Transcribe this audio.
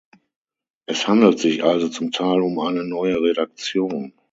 Es handelt sich also zum Teil um eine neue Redaktion.